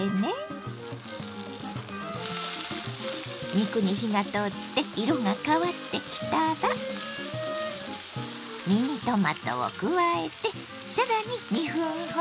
肉に火が通って色が変わってきたらミニトマトを加えて更に２分ほど炒めます。